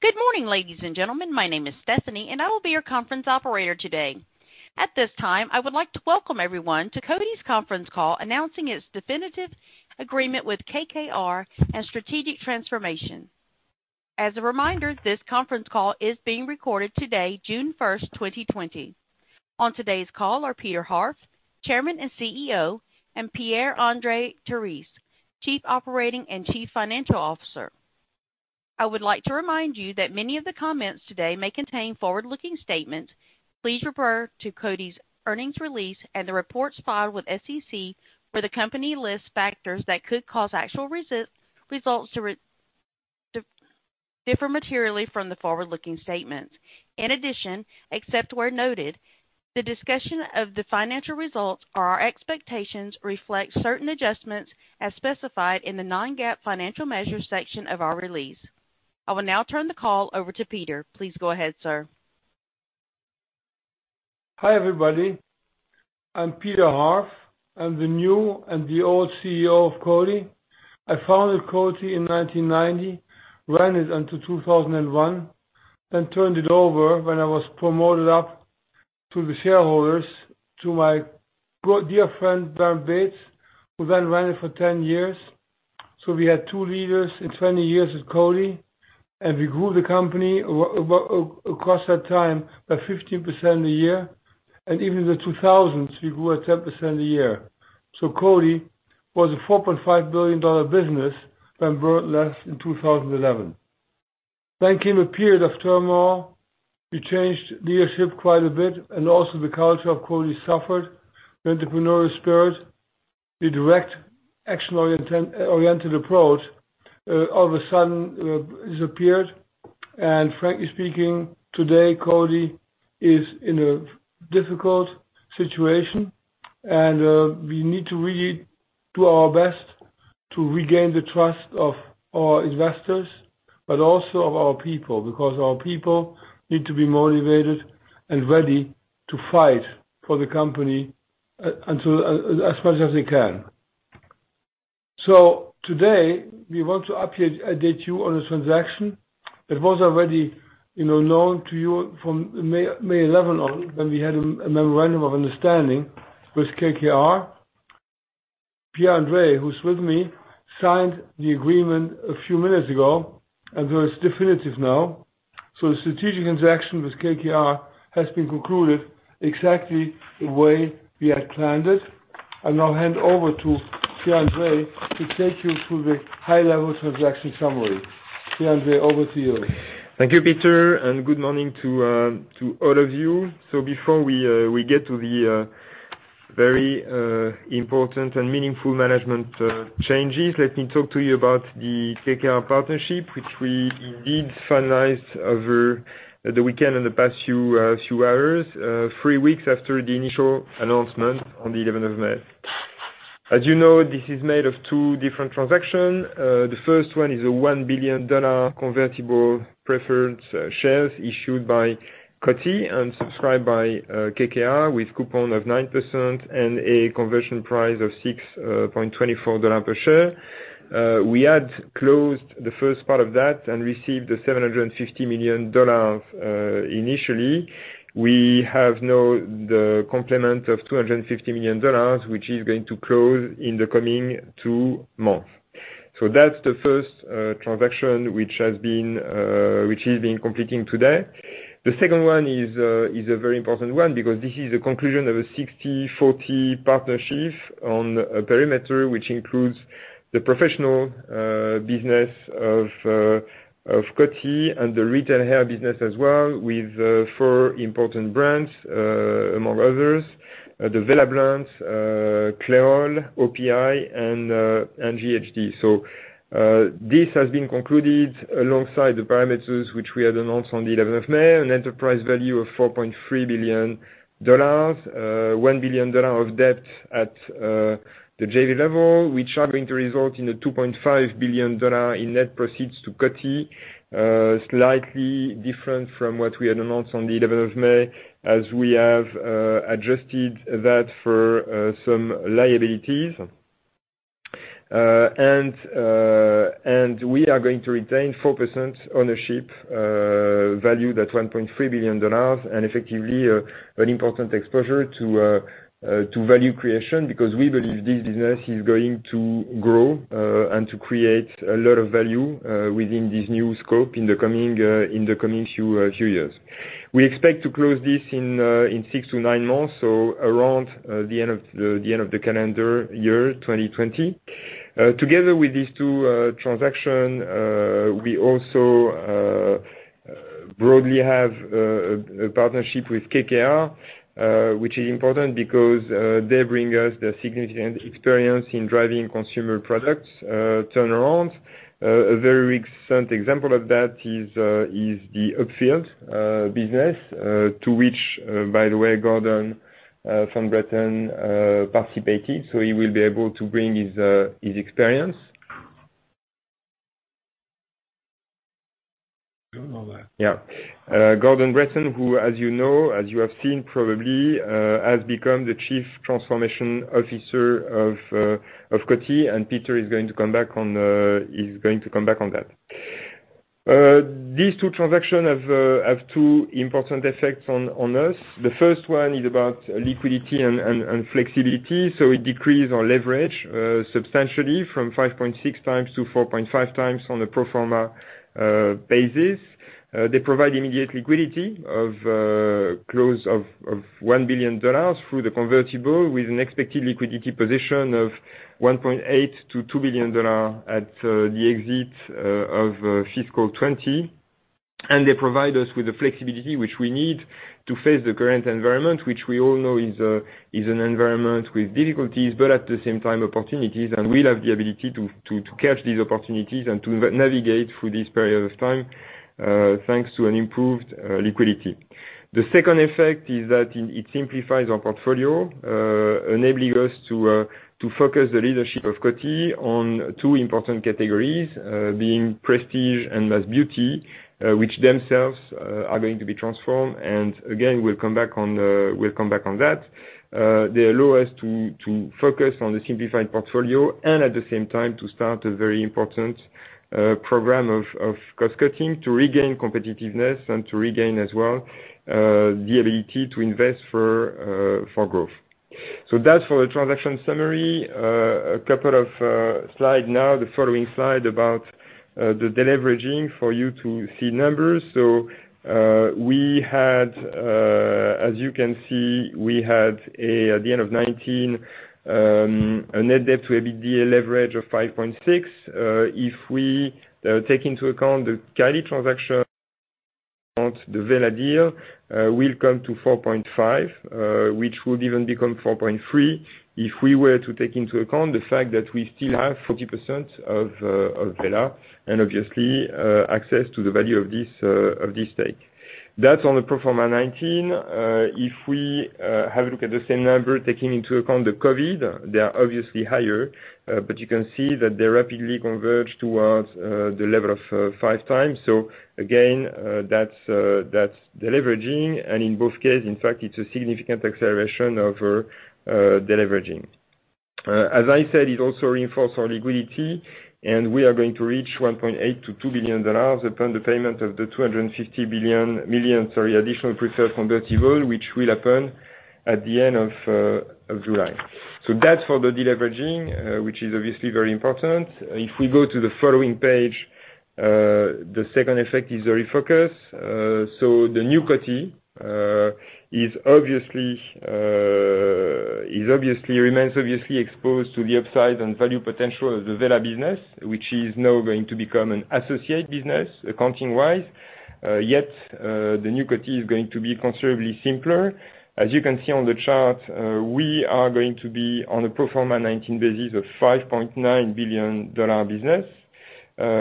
Good morning, ladies and gentlemen. My name is Stephanie, and I will be your conference operator today. At this time, I would like to welcome everyone to Coty's Conference Call announcing its definitive agreement with KKR and strategic transformation. As a reminder, this conference call is being recorded today, June 1, 2020. On today's call are Peter Harf, Chairman and CEO, and Pierre-André Terisse, Chief Operating and Chief Financial Officer. I would like to remind you that many of the comments today may contain forward-looking statements. Please refer to Coty's earnings release and the reports filed with the SEC where the company lists factors that could cause actual results to differ materially from the forward-looking statements. In addition, except where noted, the discussion of the financial results or our expectations reflects certain adjustments as specified in the non-GAAP financial measures section of our release. I will now turn the call over to Peter. Please go ahead, sir. Hi everybody. I'm Peter Harf. I'm the new and the old CEO of Coty. I founded Coty in 1990, ran it until 2001, then turned it over when I was promoted up to the shareholders to my dear friend, Bart Becht, who then ran it for 10 years. We had two leaders in 20 years at Coty, and we grew the company across that time by 15% a year. Even in the 2000s, we grew at 10% a year. Coty was a $4.5 billion business when Bart left in 2011. A period of turmoil followed. We changed leadership quite a bit, and also the culture of Coty suffered. The entrepreneurial spirit, the direct action-oriented approach, all of a sudden disappeared. Frankly speaking, today Coty is in a difficult situation, and we need to really do our best to regain the trust of our investors, but also of our people, because our people need to be motivated and ready to fight for the company as much as they can. Today we want to update you on a transaction that was already known to you from May 11, when we had a memorandum of understanding with KKR. Pierre-André, who's with me, signed the agreement a few minutes ago, and it is definitive now. The strategic transaction with KKR has been concluded exactly the way we had planned it. I'll now hand over to Pierre-André. He'll take you through the high-level transaction summary. Pierre-André, over to you. Thank you, Peter, and good morning to all of you. Before we get to the very important and meaningful management changes, let me talk to you about the KKR partnership, which we indeed finalized over the weekend and the past few hours, three weeks after the initial announcement on the 11th of May. As you know, this is made of two different transactions. The first one is a $1 billion convertible preference shares issued by Coty and subscribed by KKR with a coupon of 9% and a conversion price of $6.24 per share. We had closed the first part of that and received the $750 million initially. We have now the complement of $250 million, which is going to close in the coming two months. That is the first transaction which has been completing today. The second one is a very important one because this is the conclusion of a 60/40 partnership on a perimeter which includes the professional business of Coty and the retail hair business as well, with four important brands, among others, the Wella brands, Clairol, OPI, and GHD. This has been concluded alongside the parameters which we had announced on the 11th of May, an enterprise value of $4.3 billion, $1 billion of debt at the JV level, which are going to result in $2.5 billion in net proceeds to Coty, slightly different from what we had announced on the 11th of May, as we have adjusted that for some liabilities. We are going to retain 4% ownership, valued at $1.3 billion, and effectively an important exposure to value creation because we believe this business is going to grow and to create a lot of value within this new scope in the coming few years. We expect to close this in six to nine months, so around the end of the calendar year 2020. Together with these two transactions, we also broadly have a partnership with KKR, which is important because they bring us the significant experience in driving consumer products turnaround. A very recent example of that is the Upfield business, to which, by the way, Gordon Von Bretten participated, so he will be able to bring his experience. I don't know that. Yeah. Gordon Von Bretten, who, as you know, as you have seen probably, has become the Chief Transformation Officer of Coty, and Peter is going to come back on that. These two transactions have two important effects on us. The first one is about liquidity and flexibility, so it decreased our leverage substantially from 5.6x to 4.5x on a pro forma basis. They provide immediate liquidity of close of $1 billion through the convertible, with an expected liquidity position of $1.8 billion-$2 billion at the exit of fiscal 2020. They provide us with the flexibility which we need to face the current environment, which we all know is an environment with difficulties, but at the same time opportunities, and we have the ability to catch these opportunities and to navigate through this period of time thanks to an improved liquidity. The second effect is that it simplifies our portfolio, enabling us to focus the leadership of Coty on two important categories being prestige and less beauty, which themselves are going to be transformed. Again, we'll come back on that. They allow us to focus on the simplified portfolio and at the same time to start a very important program of cost-cutting to regain competitiveness and to regain as well the ability to invest for growth. That's for the transaction summary. A couple of slides now, the following slide about the deleveraging for you to see numbers. We had, as you can see, we had at the end of 2019, a net debt to EBITDA leverage of 5.6%. If we take into account the Kylie transaction, the Wella deal, we'll come to 4.5%, which would even become 4.3% if we were to take into account the fact that we still have 40% of Wella and obviously access to the value of this stake. That is on the pro forma 2019. If we have a look at the same number, taking into account the COVID, they are obviously higher, but you can see that they rapidly converge towards the level of five times. Again, that is deleveraging, and in both cases, in fact, it is a significant acceleration of deleveraging. As I said, it also reinforced our liquidity, and we are going to reach $1.8 billion to $2 billion upon the payment of the $250 million, sorry, additional preferred convertible, which will happen at the end of July. That is for the deleveraging, which is obviously very important. If we go to the following page, the second effect is the refocus. The new Coty remains obviously exposed to the upside and value potential of the Wella business, which is now going to become an associate business accounting-wise. Yet the new Coty is going to be considerably simpler. As you can see on the chart, we are going to be on a pro forma 2019 basis of $5.9 billion business,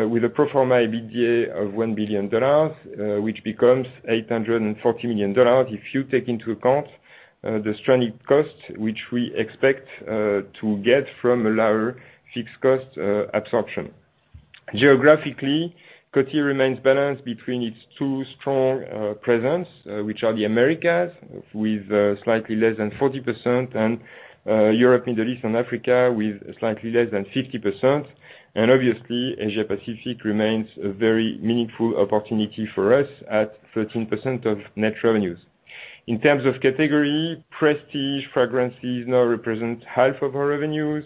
with a pro forma EBITDA of $1 billion, which becomes $840 million if you take into account the stranded cost which we expect to get from a lower fixed cost absorption. Geographically, Coty remains balanced between its two strong presence, which are the Americas with slightly less than 40% and Europe, Middle East, and Africa with slightly less than 50%. Asia-Pacific remains a very meaningful opportunity for us at 13% of net revenues. In terms of category, prestige fragrances now represent half of our revenues.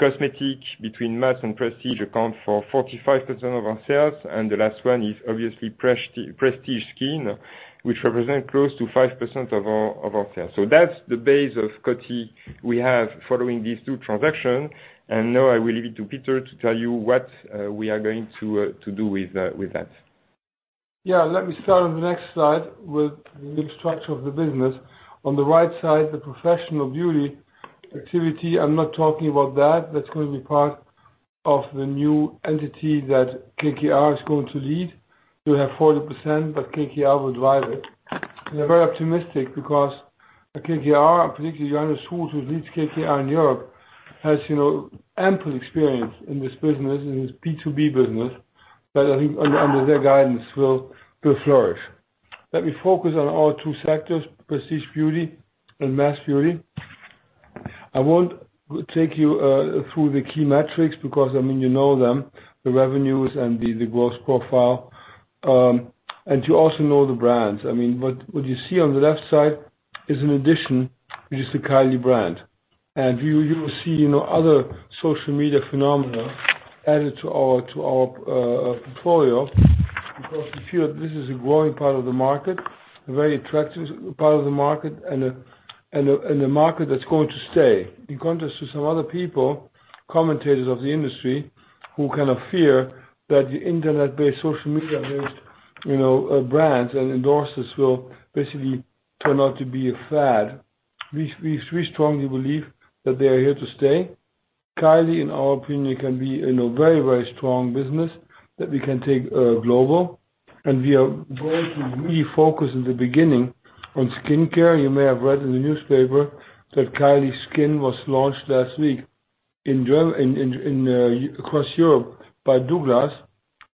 Cosmetic, between mass and prestige, accounts for 45% of our sales, and the last one is obviously prestige skin, which represents close to 5% of our sales. That is the base of Coty we have following these two transactions. I will leave it to Peter to tell you what we are going to do with that. Yeah, let me start on the next slide with the new structure of the business. On the right side, the professional beauty activity, I'm not talking about that. That's going to be part of the new entity that KKR is going to lead. You have 40%, but KKR will drive it. We are very optimistic because KKR, and particularly Johannes Schultz, who leads KKR in Europe, has ample experience in this business, in this B2B business, that I think under their guidance will flourish. Let me focus on our two sectors, prestige beauty and mass beauty. I won't take you through the key metrics because, I mean, you know them, the revenues and the growth profile. And you also know the brands. I mean, what you see on the left side is an addition, which is the Kylie brand. You will see other social media phenomena added to our portfolio because we feel that this is a growing part of the market, a very attractive part of the market, and a market that's going to stay. In contrast to some other people, commentators of the industry, who kind of fear that the internet-based social media-based brands and endorsers will basically turn out to be a fad, we strongly believe that they are here to stay. Kylie, in our opinion, can be a very, very strong business that we can take global. We are going to refocus in the beginning on skincare. You may have read in the newspaper that Kylie Skin was launched last week across Europe by Douglas.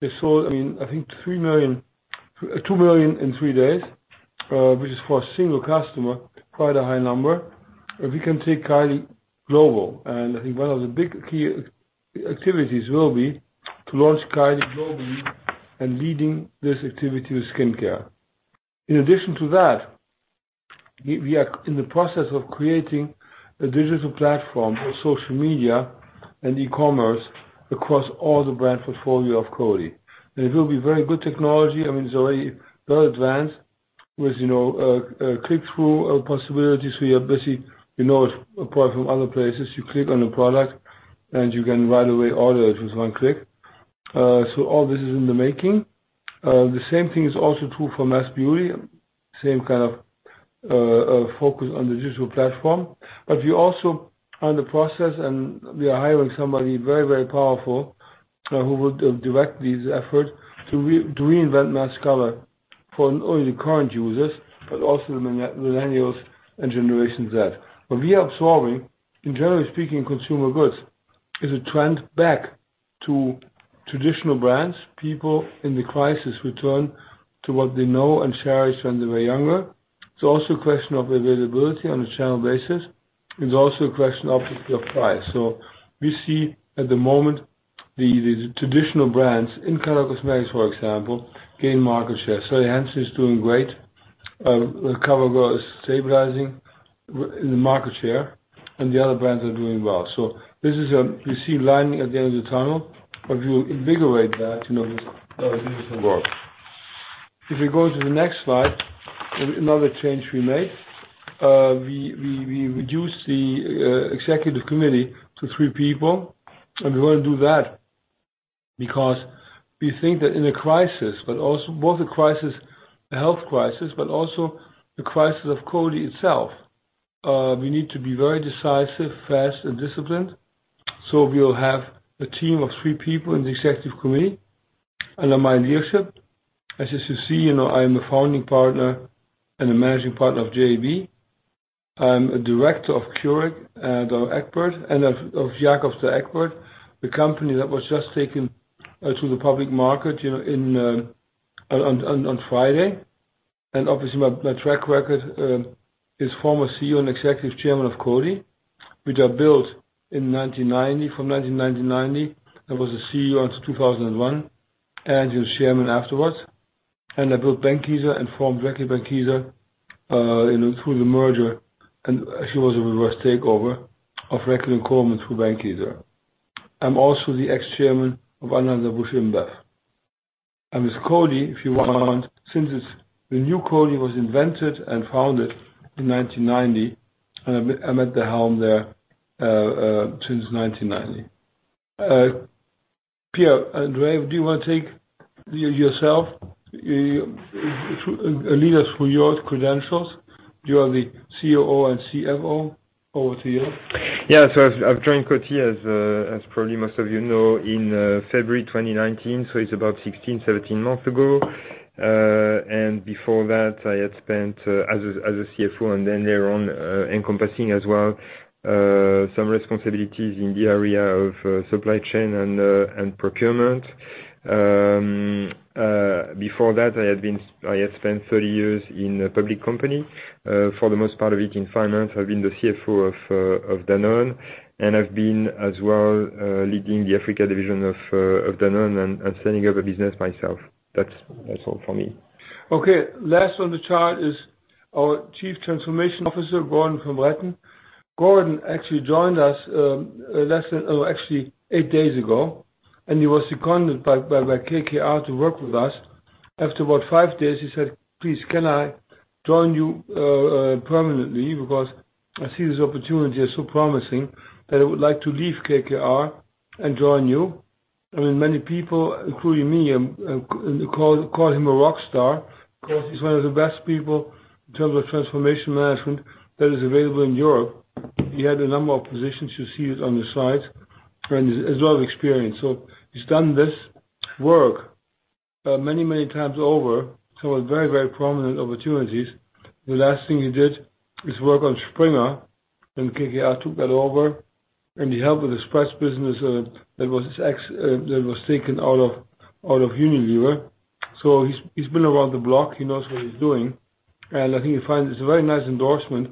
They sold, I mean, I think $2 million in three days, which is for a single customer, quite a high number. If we can take Kylie global, and I think one of the big key activities will be to launch Kylie globally and leading this activity with skincare. In addition to that, we are in the process of creating a digital platform for social media and e-commerce across all the brand portfolio of Coty. It will be very good technology. I mean, it's already well advanced with click-through possibilities. You know it apart from other places. You click on a product, and you can right away order it with one click. All this is in the making. The same thing is also true for mass beauty, same kind of focus on the digital platform. We also are in the process, and we are hiring somebody very, very powerful who will direct these efforts to reinvent mass color for not only the current users, but also the millennials and Generation Z. What we are absorbing, generally speaking, in consumer goods is a trend back to traditional brands. People in the crisis return to what they know and share it when they were younger. It's also a question of availability on a channel basis. It's also a question of the price. We see at the moment the traditional brands in color cosmetics, for example, gain market share. CoverGirl is doing great. CoverGirl is stabilizing in the market share, and the other brands are doing well. We see lightning at the end of the tunnel. If you invigorate that, you know this is a growth. If we go to the next slide, another change we made. We reduced the executive committee to three people. We want to do that because we think that in a crisis, both a crisis, a health crisis, but also the crisis of Coty itself, we need to be very decisive, fast, and disciplined. We will have a team of three people in the executive committee under my leadership. As you see, I am a founding partner and a managing partner of JAB. I'm a director of Keurig and of Egberts, and of Jacobs Douwe Egberts, the company that was just taken to the public market on Friday. Obviously, my track record is former CEO and executive chairman of Coty, which I built in 1990. From 1990, I was a CEO until 2001, and I was chairman afterwards. I built Bankiza and formed really Bankiza through the merger. She was a reverse takeover of really and Coleman through Bankiza. I'm also the ex-chairman of Anna and Anheuser-Busch InBev. With Coty, if you want to, since the new Coty was invented and founded in 1990, I'm at the helm there since 1990. Peter, do you want to take yourself, lead us through your credentials? You are the COO and CFO. Over to you. Yeah, so I've joined Coty as probably most of you know in February 2019. It's about 16, 17 months ago. Before that, I had spent as a CFO and then later on encompassing as well some responsibilities in the area of supply chain and procurement. Before that, I had spent 30 years in a public company, for the most part of it in finance. I've been the CFO of Danone. I've been as well leading the Africa division of Danone and setting up a business myself. That's all for me. Okay, last on the chart is our Chief Transformation Officer, Gordon Von Bretten. Gordon actually joined us actually eight days ago, and he was seconded by KKR to work with us. After about five days, he said, "Please, can I join you permanently? Because I see this opportunity is so promising that I would like to leave KKR and join you." I mean, many people, including me, call him a rock star because he's one of the best people in terms of transformation management that is available in Europe. He had a number of positions, you see it on the sides, and a lot of experience. He's done this work many, many times over some of the very, very prominent opportunities. The last thing he did is work on Springer, and KKR took that over. He helped with the spice business that was taken out of Unilever. He's been around the block. He knows what he's doing. I think he finds it's a very nice endorsement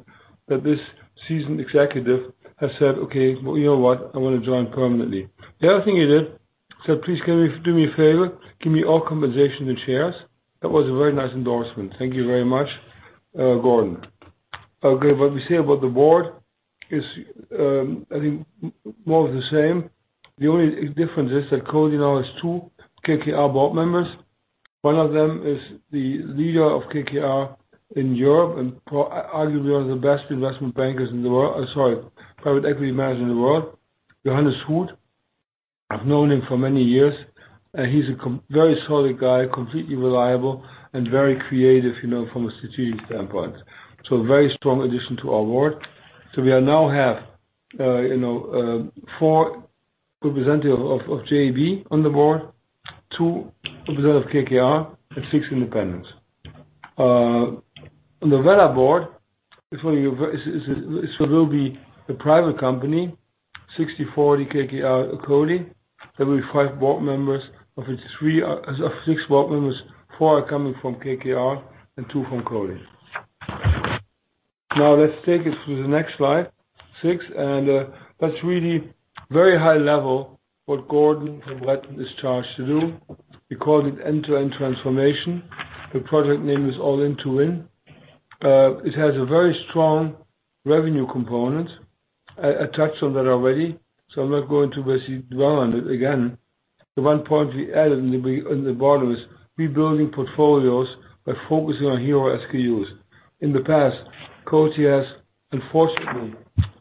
that this seasoned executive has said, "Okay, you know what? I want to join permanently." The other thing he did, he said, "Please do me a favor. Give me all compensation and shares." That was a very nice endorsement. Thank you very much, Gordon. What we say about the board is, I think, more of the same. The only difference is that Coty now has two KKR board members. One of them is the leader of KKR in Europe and arguably one of the best investment bankers in the world, sorry, private equity managers in the world, Johannes Schultz. I've known him for many years. He's a very solid guy, completely reliable, and very creative from a strategic standpoint. A very strong addition to our board. We now have four representatives of JAB on the board, two representatives of KKR, and six independents. The Wella board is what it will be as a private company, 60/40 KKR-Coty. There will be five or six board members. Four are coming from KKR and two from Coty. Now let's take it through the next slide, six. That is really very high level what Gordon Von Bretten is charged to do. He called it end-to-end transformation. The project name is All Into Win. It has a very strong revenue component. I touched on that already, so I'm not going to basically dwell on it again. The one point we added in the bottom is rebuilding portfolios by focusing on hero SKUs. In the past, Coty has, unfortunately,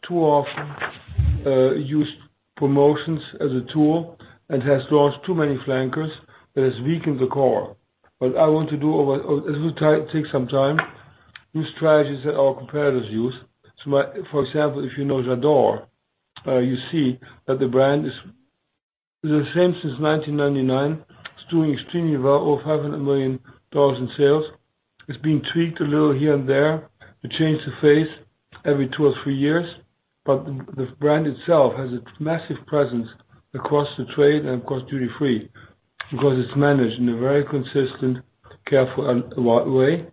too often used promotions as a tool and has launched too many flankers that has weakened the core. What I want to do over time takes some time. New strategies that our competitors use. For example, if you know J'adore, you see that the brand is the same since 1999. It's doing extremely well, over $500 million in sales. It's being tweaked a little here and there. They change the face every two or three years. The brand itself has a massive presence across the trade and across duty-free because it's managed in a very consistent, careful way.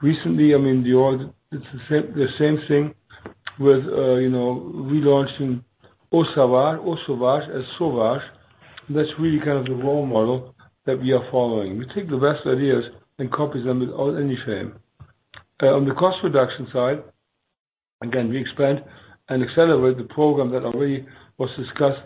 Recently, I mean, the same thing with relaunching Sauvage as Sauvage. That's really kind of the role model that we are following. We take the best ideas and copy them without any shame. On the cost reduction side, again, we expand and accelerate the program that already was discussed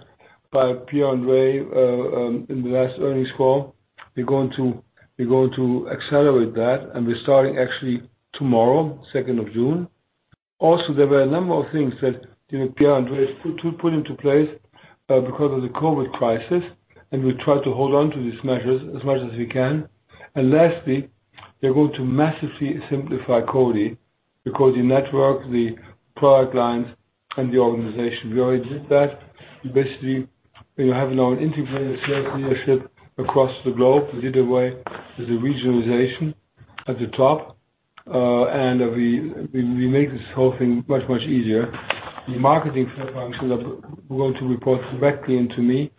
by Pierre-André in the last earnings call. We're going to accelerate that, and we're starting actually tomorrow, 2nd of June. Also, there were a number of things that Pierre-André put into place because of the COVID crisis. We'll try to hold on to these measures as much as we can. Lastly, we're going to massively simplify Coty because the network, the product lines, and the organization. We already did that. We basically have our integrated leadership across the globe to lead the way as a regionalization at the top. We make this whole thing much, much easier. The marketing functions, we're going to report directly into me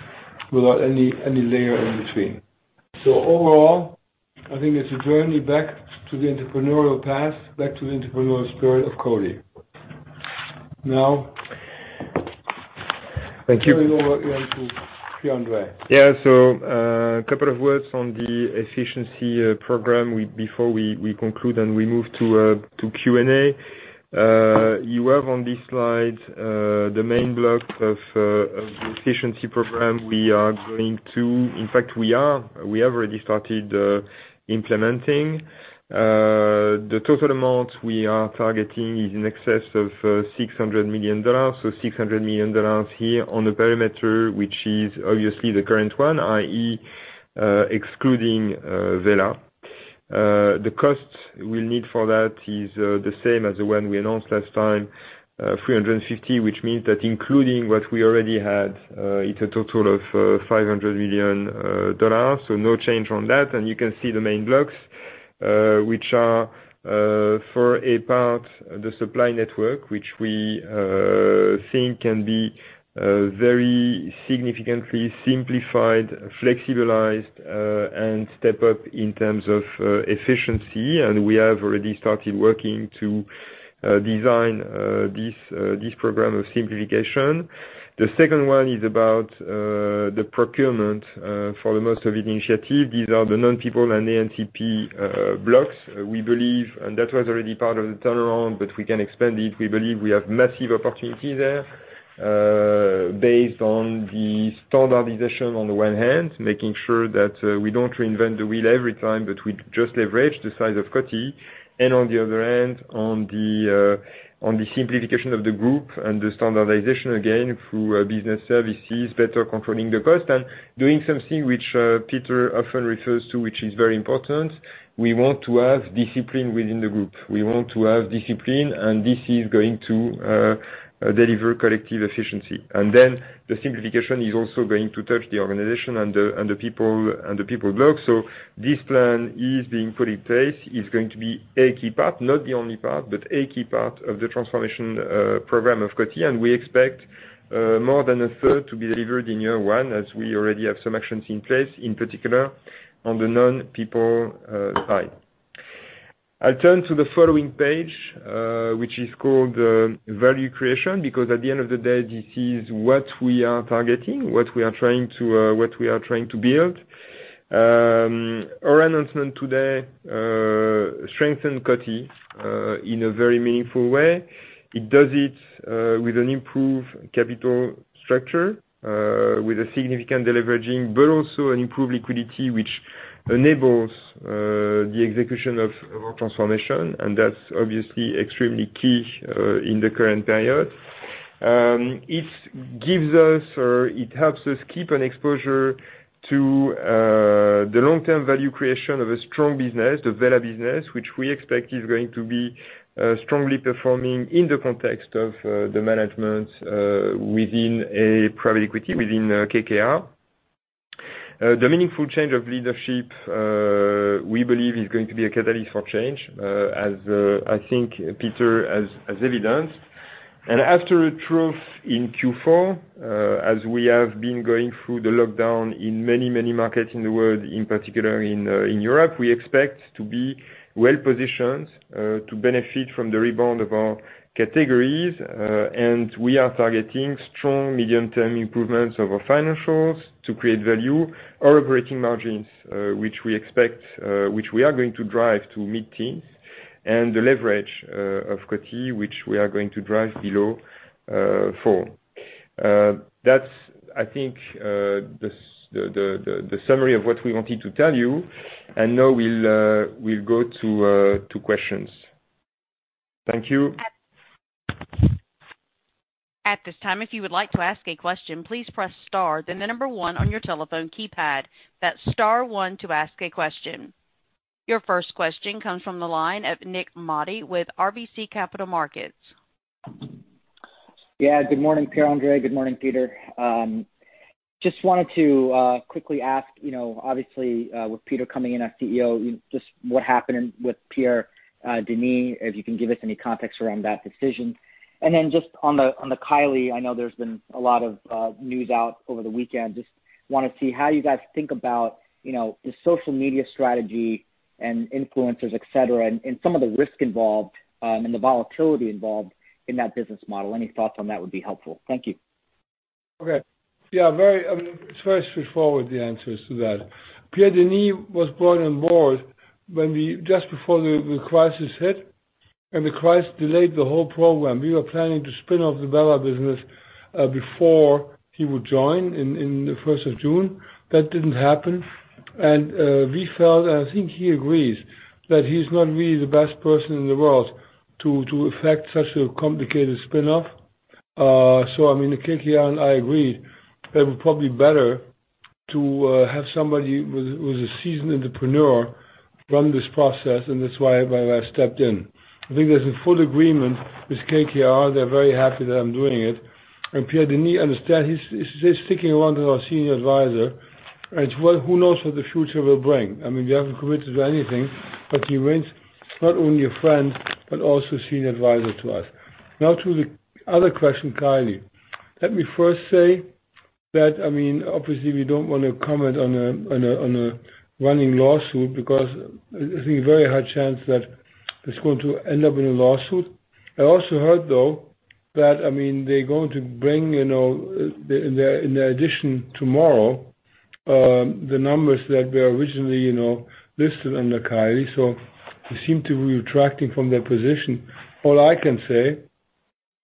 without any layer in between. Overall, I think it's a journey back to the entrepreneurial path, back to the entrepreneurial spirit of Coty. Now, I know what we have to, Pierre-André. Yeah, so a couple of words on the efficiency program before we conclude and we move to Q&A. You have on this slide the main blocks of efficiency program we are going to. In fact, we have already started implementing. The total amount we are targeting is in excess of $600 million. So $600 million here on the perimeter, which is obviously the current one, i.e., excluding Wella. The cost we'll need for that is the same as the one we announced last time, $350 million, which means that including what we already had, it's a total of $500 million. No change on that. You can see the main blocks, which are for a part the supply network, which we think can be very significantly simplified, flexibilized, and step up in terms of efficiency. We have already started working to design this program of simplification. The second one is about the procurement for most of the initiative. These are the non-people and ANCP blocks. We believe, and that was already part of the turnaround, but we can expand it. We believe we have massive opportunity there based on the standardization on the one hand, making sure that we do not reinvent the wheel every time, but we just leverage the size of Coty. On the other hand, on the simplification of the group and the standardization again through business services, better controlling the cost and doing something which Peter often refers to, which is very important. We want to have discipline within the group. We want to have discipline, and this is going to deliver collective efficiency. The simplification is also going to touch the organization and the people blocks. This plan is being put in place. It's going to be a key part, not the only part, but a key part of the transformation program of Coty. We expect more than a third to be delivered in year one, as we already have some actions in place, in particular on the non-people side. I'll turn to the following page, which is called Value Creation, because at the end of the day, this is what we are targeting, what we are trying to build. Our announcement today strengthens Coty in a very meaningful way. It does it with an improved capital structure, with a significant leveraging, but also an improved liquidity, which enables the execution of our transformation. That's obviously extremely key in the current period. It helps us keep an exposure to the long-term value creation of a strong business, the Wella business, which we expect is going to be strongly performing in the context of the management within a private equity, within KKR. The meaningful change of leadership, we believe, is going to be a catalyst for change, as I think Peter has evidenced. After a trough in Q4, as we have been going through the lockdown in many, many markets in the world, in particular in Europe, we expect to be well positioned to benefit from the rebound of our categories. We are targeting strong medium-term improvements of our financials to create value, our operating margins, which we expect, which we are going to drive to mid-teens, and the leverage of Coty, which we are going to drive below four. That's, I think, the summary of what we wanted to tell you. Now we'll go to questions. Thank you. At this time, if you would like to ask a question, please press star, then the number one on your telephone keypad. That's star one to ask a question. Your first question comes from the line of Nik Modi with RBC Capital Markets. Yeah, good morning, Pierre-André. Good morning, Peter. Just wanted to quickly ask, obviously, with Peter coming in as CEO, just what happened with Pierre Denis, if you can give us any context around that decision. Just on the Kylie, I know there's been a lot of news out over the weekend. Just want to see how you guys think about the social media strategy and influencers, etc., and some of the risk involved and the volatility involved in that business model. Any thoughts on that would be helpful. Thank you. Okay. Yeah, very straightforward, the answer is to that. Pierre Denis was brought on board just before the crisis hit, and the crisis delayed the whole program. We were planning to spin off the Wella business before he would join in the 1st of June. That did not happen. I mean, we felt, and I think he agrees, that he is not really the best person in the world to affect such a complicated spin-off. I mean, KKR and I agreed that it would probably be better to have somebody who is a seasoned entrepreneur run this process, and that is why I stepped in. I think there is a full agreement with KKR. They are very happy that I am doing it. Pierre Denis understands he is sticking around as our senior advisor. Who knows what the future will bring? I mean, we haven't committed to anything, but he remains not only a friend, but also a senior advisor to us. Now, to the other question, Kylie, let me first say that, I mean, obviously, we don't want to comment on a running lawsuit because there's a very high chance that it's going to end up in a lawsuit. I also heard, though, that, I mean, they're going to bring in their addition tomorrow the numbers that were originally listed under Kylie. So they seem to be retracting from their position. All I can say is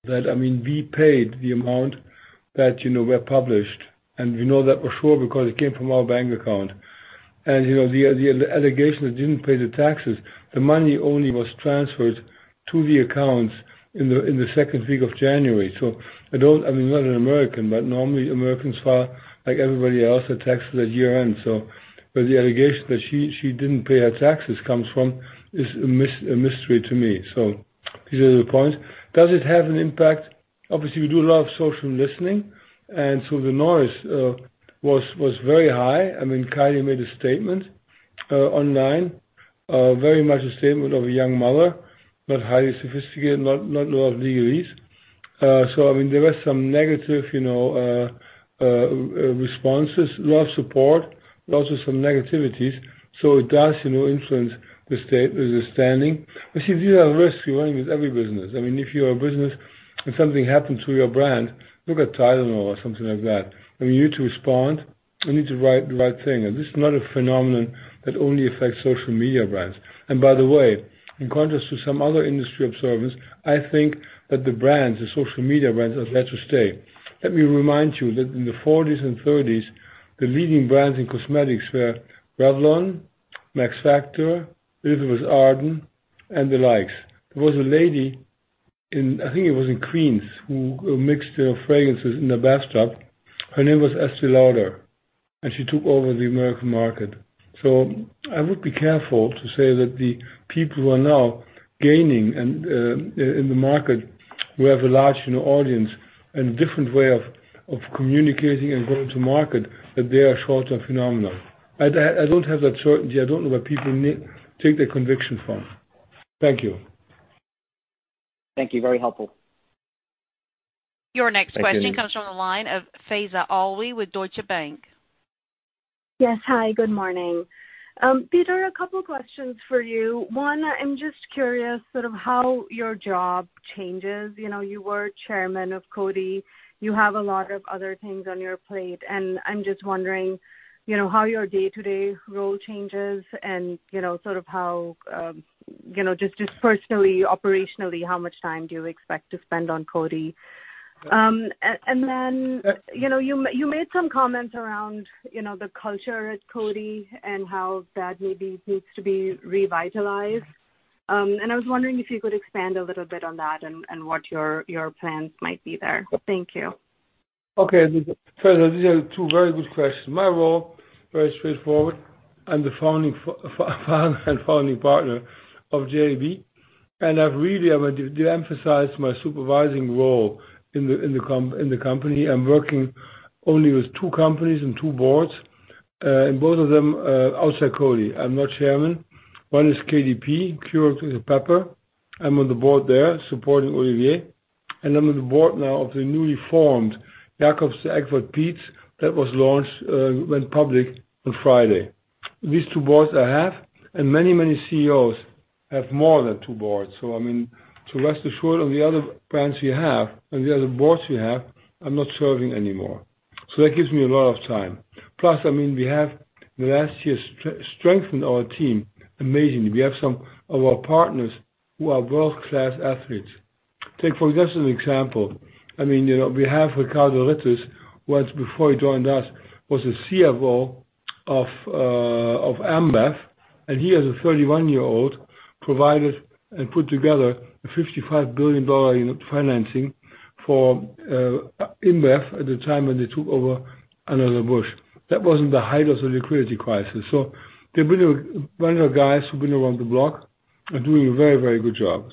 that, I mean, we paid the amount that were published. And we know that for sure because it came from our bank account. And the allegation that they didn't pay the taxes, the money only was transferred to the accounts in the second week of January. I mean, not an American, but normally Americans file like everybody else a tax at year-end. The allegation that she did not pay her taxes comes from is a mystery to me. These are the points. Does it have an impact? Obviously, we do a lot of social listening. The noise was very high. I mean, Kylie made a statement online, very much a statement of a young mother, not highly sophisticated, not a lot of legalese. There were some negative responses, a lot of support, but also some negativities. It does influence the standing. You see, these are risks you are running with every business. I mean, if you are a business and something happens to your brand, look at Tylenol or something like that. You need to respond. We need to write the right thing. This is not a phenomenon that only affects social media brands. By the way, in contrast to some other industry observers, I think that the social media brands are there to stay. Let me remind you that in the 1940s and 1930s, the leading brands in cosmetics were Revlon, Max Factor, Elizabeth Arden, and the likes. There was a lady in, I think it was in Queens, who mixed her fragrances in the bathtub. Her name was Estée Lauder. She took over the American market. I would be careful to say that the people who are now gaining in the market, who have a large audience and a different way of communicating and going to market, are short-term phenomena. I do not have that certainty. I do not know where people take their conviction from. Thank you. Thank you. Very helpful. Your next question comes from the line of Faiza Alwy with Deutsche Bank. Yes, hi, good morning. Peter, a couple of questions for you. One, I'm just curious sort of how your job changes. You were Chairman of Coty. You have a lot of other things on your plate. I'm just wondering how your day-to-day role changes and sort of how just personally, operationally, how much time do you expect to spend on Coty? You made some comments around the culture at Coty and how that maybe needs to be revitalized. I was wondering if you could expand a little bit on that and what your plans might be there. Thank you. Okay. These are two very good questions. My role is very straightforward. I'm the founding partner of JAB. I really emphasize my supervising role in the company. I'm working only with two companies and two boards. Both of them outside Coty. I'm not chairman. One is KDP, Keurig Dr Pepper. I'm on the board there supporting Olivier. I'm on the board now of the newly formed Jacobs Douwe Egberts that was launched, went public on Friday. These two boards I have, and many, many CEOs have more than two boards. I mean, to rest assured, on the other brands we have and the other boards we have, I'm not serving anymore. That gives me a lot of time. Plus, I mean, we have in the last year strengthened our team amazingly. We have some of our partners who are world-class athletes. Take for just an example, I mean, we have Ricardo Ritters, who before he joined us was the CFO of Anheuser-Busch InBev. And he as a 31-year-old provided and put together a $55 billion financing for InBev at the time when they took over Anheuser-Busch. That was in the height of the liquidity crisis. They have been a bunch of guys who have been around the block and doing a very, very good job.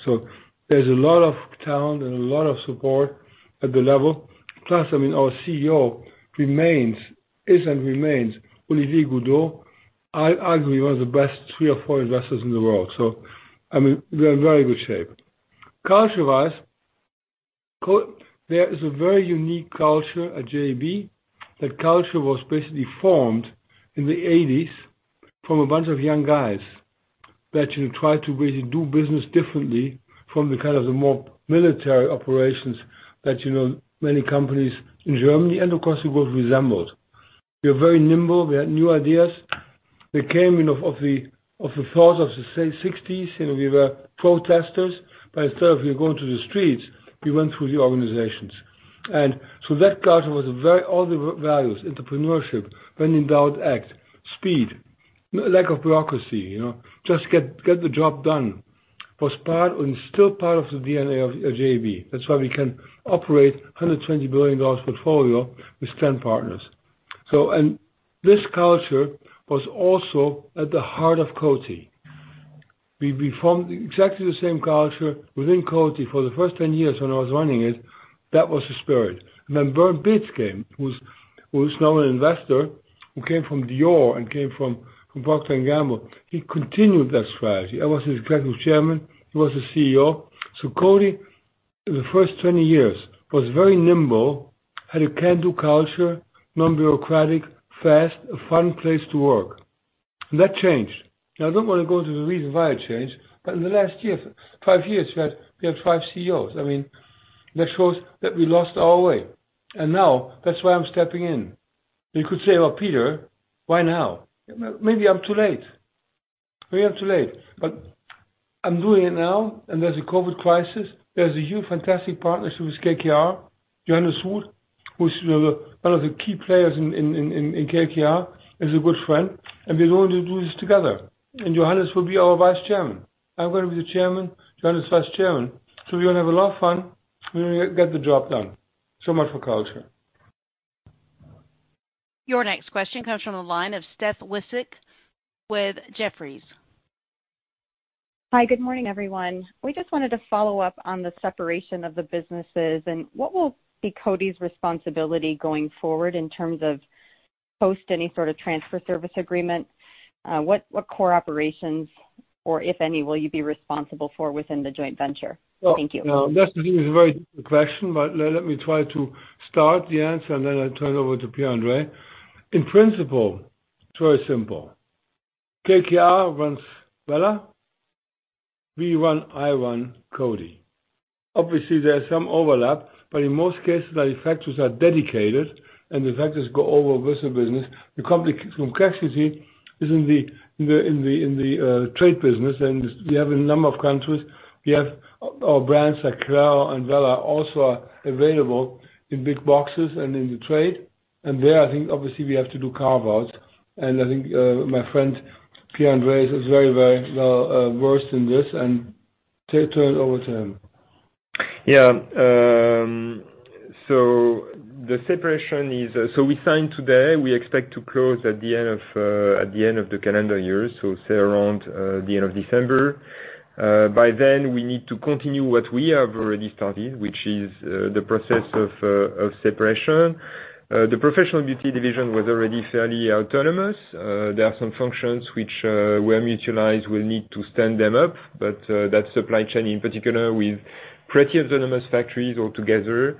There is a lot of talent and a lot of support at the level. Plus, I mean, our CEO is and remains Olivier Goudon. I'd argue he was the best three or four investors in the world. I mean, we're in very good shape. Culture-wise, there is a very unique culture at JAB. That culture was basically formed in the 1980s from a bunch of young guys that tried to really do business differently from the kind of the more military operations that many companies in Germany and across the world resembled. We were very nimble. We had new ideas. They came of the thought of the 1960s. We were protesters. Instead of going to the streets, we went through the organizations. That culture was all the values, entrepreneurship, bending down, act, speed, lack of bureaucracy, just get the job done, was part or is still part of the DNA of JAB. That's why we can operate a $120 billion portfolio with 10 partners. This culture was also at the heart of Coty. We formed exactly the same culture within Coty for the 1st 10 years when I was running it. That was the spirit. Then Bart Becht came, who's now an investor who came from Dior and came from Procter & Gamble. He continued that strategy. I was his Executive Chairman. He was the CEO. Coty, the 1st 20 years, was very nimble, had a can-do culture, non-bureaucratic, fast, a fun place to work. That changed. I do not want to go into the reason why it changed, but in the last five years, we have five CEOs. I mean, that shows that we lost our way. That is why I am stepping in. You could say, well, Peter, why now? Maybe I am too late. Maybe I am too late. I am doing it now, and there is a COVID crisis. There's a fantastic partnership with KKR, Johannes Schultz, who's one of the key players in KKR, is a good friend. We're going to do this together. Johannes will be our Vice Chairman. I'm going to be the Chairman, Johannes' Vice Chairman. We're going to have a lot of fun. We're going to get the job done. So much for culture. Your next question comes from the line of Steph Wissink with Jefferies. Hi, good morning, everyone. We just wanted to follow up on the separation of the businesses and what will be Coty's responsibility going forward in terms of post any sort of transitional service agreement. What core operations, or if any, will you be responsible for within the joint venture? Thank you. That's a very good question, but let me try to start the answer, and then I'll turn it over to Pierre-André. In principle, it's very simple. KKR runs Wella. We run, I run Coty. Obviously, there's some overlap, but in most cases, the factories are dedicated, and the factories go over with the business. The complexity is in the trade business, and we have a number of countries. We have our brands like Clairol and Wella also available in big boxes and in the trade. There, I think, obviously, we have to do carve-outs. I think my friend Pierre-André is very, very well versed in this, and I'll turn it over to him. Yeah. The separation is, we signed today. We expect to close at the end of the calendar year, so say around the end of December. By then, we need to continue what we have already started, which is the process of separation. The professional beauty division was already fairly autonomous. There are some functions which, when we utilize, we'll need to stand them up. That supply chain in particular with pretty autonomous factories altogether,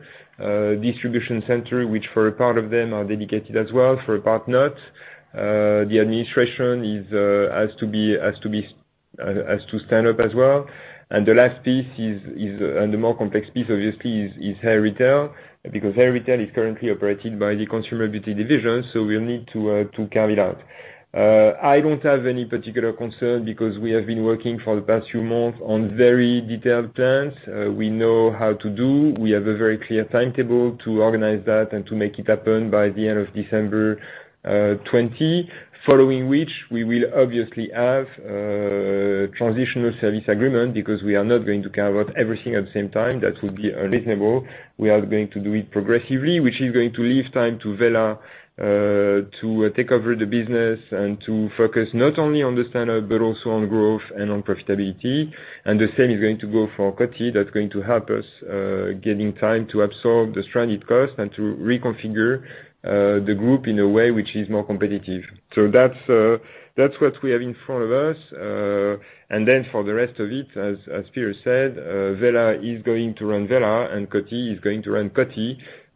distribution centers, which for a part of them are dedicated as well, for a part not. The administration has to stand up as well. The last piece is, and the more complex piece, obviously, is hair return, because hair return is currently operated by the consumer beauty division, so we'll need to carry it out. I don't have any particular concern because we have been working for the past few months on very detailed plans. We know how to do. We have a very clear timetable to organize that and to make it happen by the end of December 2020, following which we will obviously have a transitional service agreement because we are not going to carve out everything at the same time. That would be unreasonable. We are going to do it progressively, which is going to leave time to Wella to take over the business and to focus not only on the stand-up, but also on growth and on profitability. The same is going to go for Coty. That is going to help us getting time to absorb the stranded costs and to reconfigure the group in a way which is more competitive. That is what we have in front of us. For the rest of it, as Peter said, Wella is going to run Wella, and Coty is going to run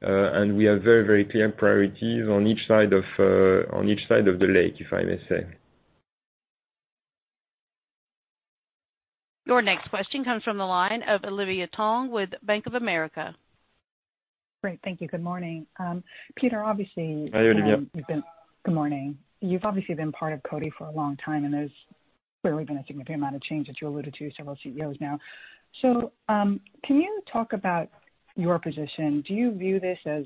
Coty. We have very, very clear priorities on each side of the lake, if I may say. Your next question comes from the line of Olivia Tong with Bank of America. Great. Thank you. Good morning. Peter, obviously. Hi, Olivia. Good morning. You've obviously been part of Coty for a long time, and there's clearly been a significant amount of change that you alluded to, several CEOs now. Can you talk about your position? Do you view this as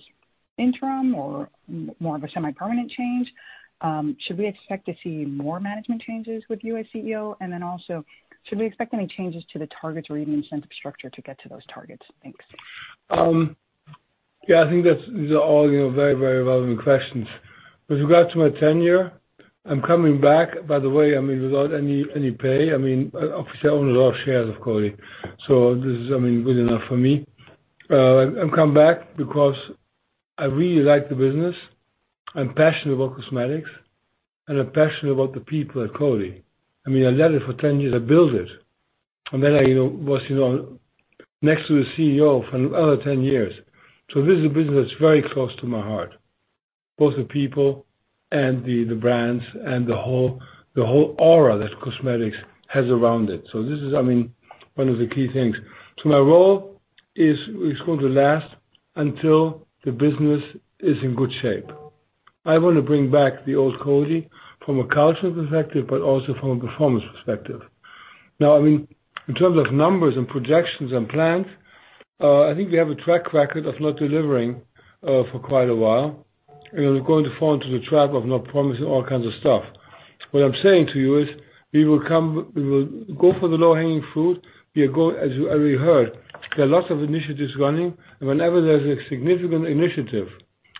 interim or more of a semi-permanent change? Should we expect to see more management changes with you as CEO? Also, should we expect any changes to the targets or even incentive structure to get to those targets? Thanks. Yeah, I think these are all very, very relevant questions. With regard to my tenure, I'm coming back, by the way, I mean, without any pay. I mean, I own a lot of shares of Coty. So this is, I mean, good enough for me. I'm coming back because I really like the business. I'm passionate about cosmetics, and I'm passionate about the people at Coty. I mean, I led it for 10 years. I built it. And then I was next to the CEO for another 10 years. This is a business that's very close to my heart, both the people and the brands and the whole aura that cosmetics has around it. This is, I mean, one of the key things. My role is going to last until the business is in good shape. I want to bring back the old Coty from a culture perspective, but also from a performance perspective. Now, I mean, in terms of numbers and projections and plans, I think we have a track record of not delivering for quite a while. We are going to fall into the trap of not promising all kinds of stuff. What I'm saying to you is we will go for the low-hanging fruit. We are going, as you already heard, there are lots of initiatives running. Whenever there's a significant initiative,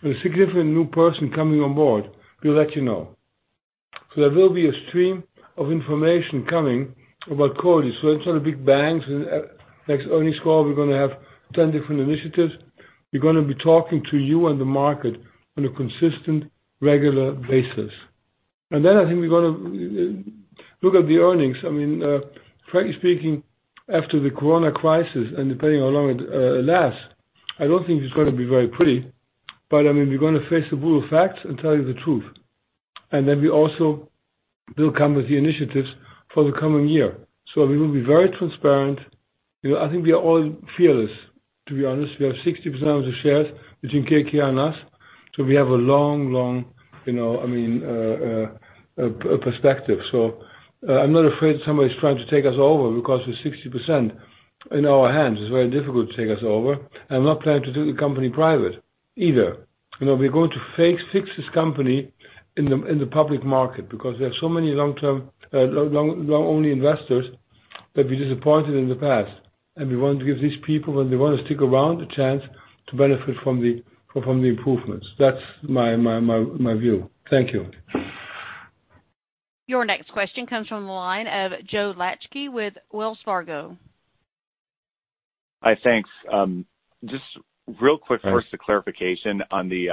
a significant new person coming on board, we'll let you know. There will be a stream of information coming about Coty. Instead of big bangs, next earnings call, we're going to have 10 different initiatives. We're going to be talking to you and the market on a consistent, regular basis. I think we're going to look at the earnings. I mean, frankly speaking, after the corona crisis, and depending on how long it lasts, I don't think it's going to be very pretty. I mean, we're going to face the brutal facts and tell you the truth. We also will come with the initiatives for the coming year. We will be very transparent. I think we are all fearless, to be honest. We have 60% of the shares between KKR and us. We have a long, long, I mean, perspective. I'm not afraid that somebody's trying to take us over because we're 60% in our hands. It's very difficult to take us over. I'm not planning to take the company private either. We're going to fix this company in the public market because we have so many long-term, long-only investors that we disappointed in the past. We want to give these people, when they want to stick around, a chance to benefit from the improvements. That's my view. Thank you. Your next question comes from the line of Joe Lachky with Wells Fargo. Hi, thanks. Just real quick, first, a clarification on the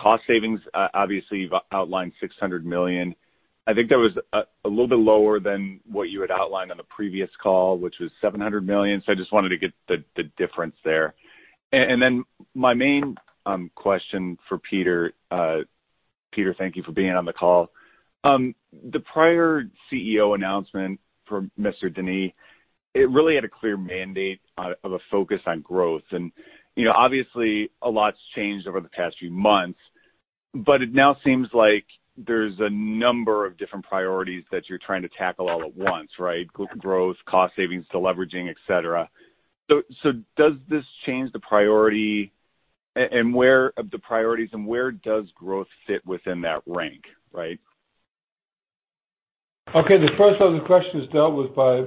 cost savings. Obviously, you've outlined $600 million. I think that was a little bit lower than what you had outlined on the previous call, which was $700 million. I just wanted to get the difference there. My main question for Peter, Peter, thank you for being on the call. The prior CEO announcement for Mr. Denis, it really had a clear mandate of a focus on growth. Obviously, a lot's changed over the past few months, but it now seems like there's a number of different priorities that you're trying to tackle all at once, right? Growth, cost savings, deleveraging, etc. Does this change the priority? Where of the priorities, and where does growth fit within that rank, right? Okay, the first one of the questions dealt with by.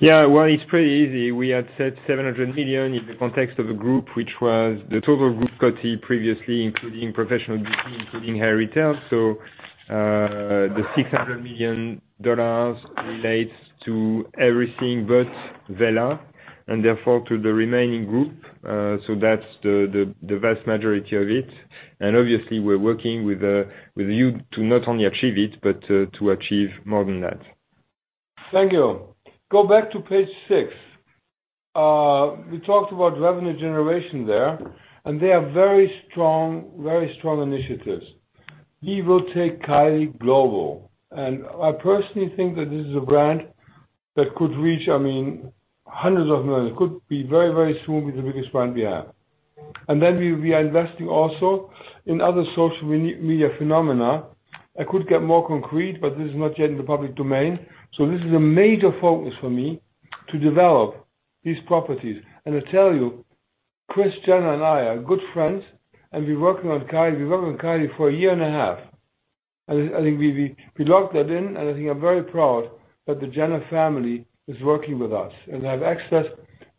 Yeah, it is pretty easy. We had said $700 million in the context of a group, which was the total group Coty previously, including professional beauty, including hair return. The $600 million relates to everything but Wella, and therefore to the remaining group. That is the vast majority of it. Obviously, we are working with you to not only achieve it, but to achieve more than that. Thank you. Go back to page six. We talked about revenue generation there, and they have very strong, very strong initiatives. Evo, Tech, Kylie, Global. I personally think that this is a brand that could reach, I mean, hundreds of millions. It could very, very soon be the biggest brand we have. We are investing also in other social media phenomena. I could get more concrete, but this is not yet in the public domain. This is a major focus for me to develop these properties. I tell you, Kris Jenner and I are good friends, and we're working on Kylie. We've worked on Kylie for a year and a half. I think we locked that in, and I think I'm very proud that the Jenner family is working with us and have access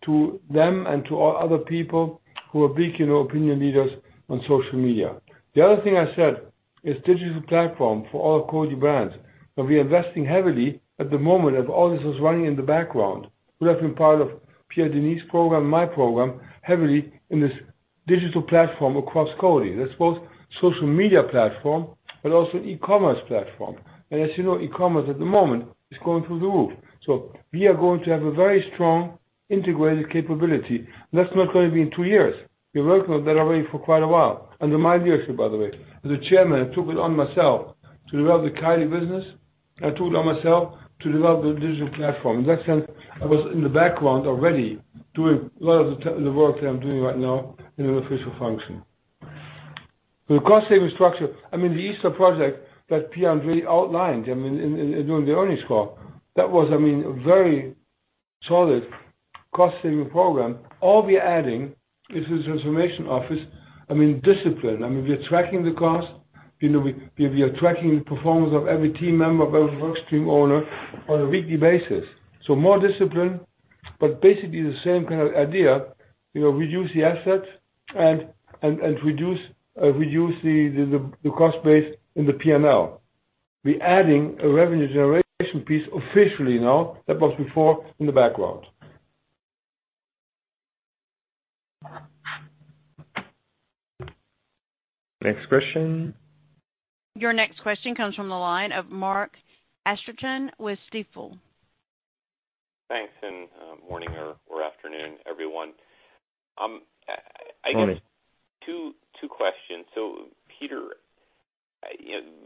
to them and to other people who are big opinion leaders on social media. The other thing I said is digital platform for all Coty brands. We're investing heavily at the moment as all this was running in the background. We have been part of Pierre Denis' program, my program, heavily in this digital platform across Coty. That's both a social media platform, but also an e-commerce platform. As you know, e-commerce at the moment is going through the roof. We are going to have a very strong integrated capability. That's not going to be in two years. We're working on that already for quite a while. My leadership, by the way, as Chairman, I took it on myself to develop the Kylie business, and I took it on myself to develop the digital platform. In that sense, I was in the background already doing a lot of the work that I'm doing right now in an official function. The cost-saving structure, I mean, the Easter project that Pierre and Vicky outlined, I mean, during the earnings call, that was, I mean, a very solid cost-saving program. All we're adding is the transformation office. I mean, discipline. I mean, we're tracking the cost. We are tracking the performance of every team member, of every workstream owner on a weekly basis. More discipline, but basically the same kind of idea. We reduce the assets and reduce the cost base in the P&L. We're adding a revenue generation piece officially now that was before in the background. Next question. Your next question comes from the line of Mark Astrachan with Stifel. Thanks. Morning or afternoon, everyone. I guess two questions. Peter,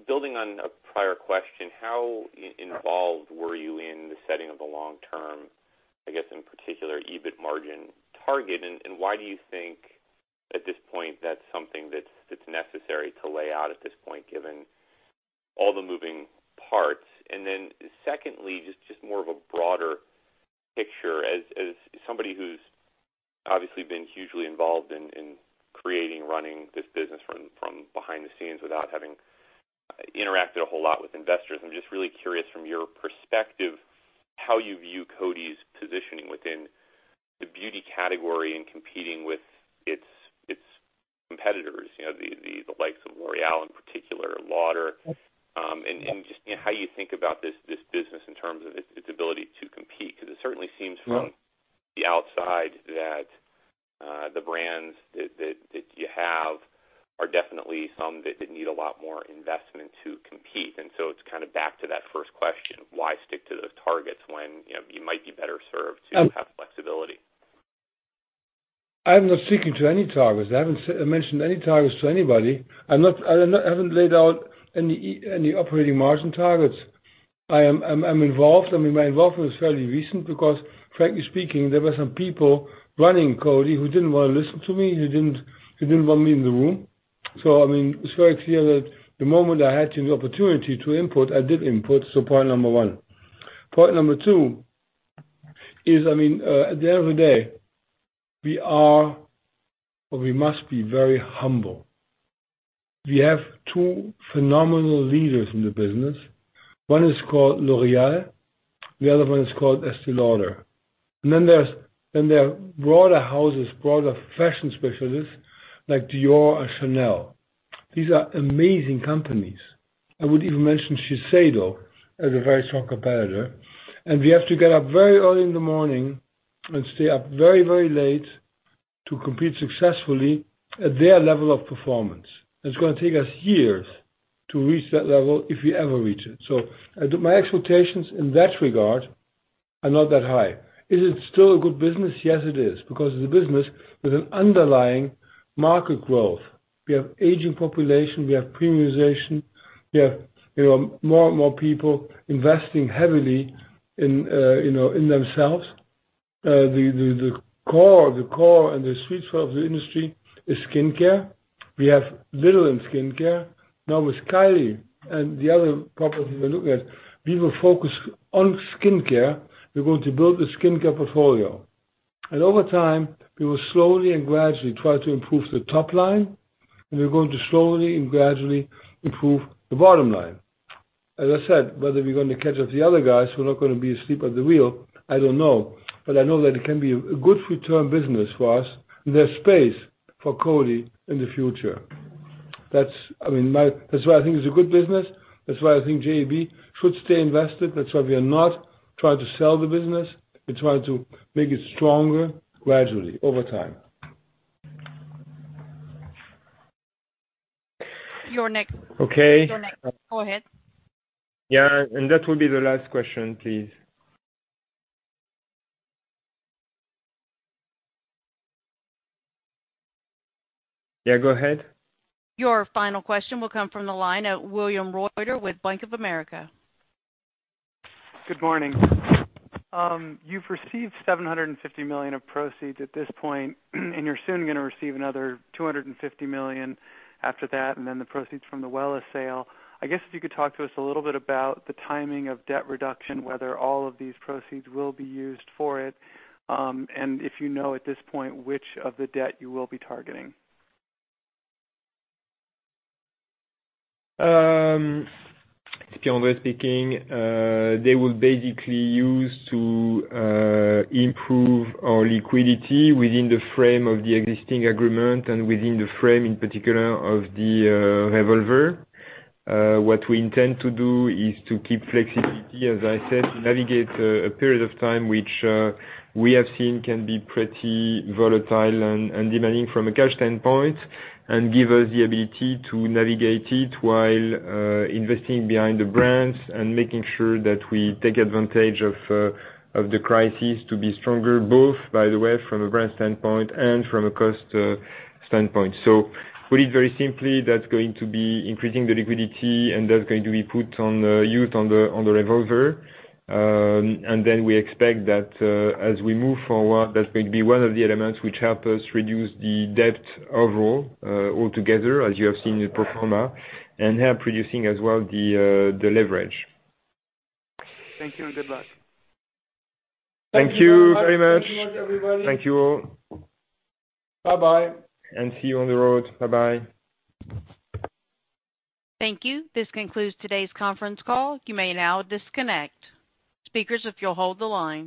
building on a prior question, how involved were you in the setting of the long-term, I guess, in particular, EBIT margin target? Why do you think at this point that's something that's necessary to lay out at this point, given all the moving parts? Secondly, just more of a broader picture. As somebody who's obviously been hugely involved in creating, running this business from behind the scenes without having interacted a whole lot with investors, I'm just really curious from your perspective how you view Coty's positioning within the beauty category and competing with its competitors, the likes of L'Oréal in particular, Lauder, and just how you think about this business in terms of its ability to compete. Because it certainly seems from the outside that the brands that you have are definitely some that need a lot more investment to compete. It is kind of back to that first question, why stick to those targets when you might be better served to have flexibility? I'm not sticking to any targets. I haven't mentioned any targets to anybody. I haven't laid out any operating margin targets. I'm involved. I mean, my involvement is fairly recent because, frankly speaking, there were some people running Coty who didn't want to listen to me, who didn't want me in the room. I mean, it's very clear that the moment I had the opportunity to input, I did input. Point number one. Point number two is, I mean, at the end of the day, we are or we must be very humble. We have two phenomenal leaders in the business. One is called L'Oréal. The other one is called Estée Lauder. There are broader houses, broader fashion specialists like Dior and Chanel. These are amazing companies. I would even mention Shiseido as a very strong competitor. We have to get up very early in the morning and stay up very, very late to compete successfully at their level of performance. It's going to take us years to reach that level if we ever reach it. My expectations in that regard are not that high. Is it still a good business? Yes, it is. Because it's a business with an underlying market growth. We have aging population. We have premiumization. We have more and more people investing heavily in themselves. The core and the sweet spot of the industry is skincare. We have little in skincare. Now with Kylie and the other properties we're looking at, we will focus on skincare. We're going to build the skincare portfolio. Over time, we will slowly and gradually try to improve the top line, and we're going to slowly and gradually improve the bottom line. As I said, whether we're going to catch up to the other guys, we're not going to be asleep at the wheel, I don't know. I know that it can be a good return business for us, and there's space for Coty in the future. That's why I think it's a good business. That's why I think JAB should stay invested. That's why we are not trying to sell the business. We're trying to make it stronger gradually over time. Your next. Okay. You're next. Go ahead. Yeah, and that will be the last question, please. Yeah, go ahead. Your final question will come from the line of William Reuter with Bank of America. Good morning. You've received $750 million of proceeds at this point, and you're soon going to receive another $250 million after that, and then the proceeds from the Wella sale. I guess if you could talk to us a little bit about the timing of debt reduction, whether all of these proceeds will be used for it, and if you know at this point which of the debt you will be targeting. Speaking, they will basically use to improve our liquidity within the frame of the existing agreement and within the frame, in particular, of the revolver. What we intend to do is to keep flexibility, as I said, navigate a period of time which we have seen can be pretty volatile and demanding from a cash standpoint, and give us the ability to navigate it while investing behind the brands and making sure that we take advantage of the crisis to be stronger, both, by the way, from a brand standpoint and from a cost standpoint. To put it very simply, that's going to be increasing the liquidity, and that's going to be put on the revolver. We expect that as we move forward, that's going to be one of the elements which help us reduce the debt overall altogether, as you have seen in the pro forma, and help reducing as well the leverage. Thank you and good luck. Thank you very much. Thank you all. Bye-bye. See you on the road. Bye-bye. Thank you. This concludes today's conference call. You may now disconnect. Speakers, if you'll hold the line.